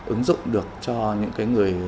ứng dụng được cho những cái người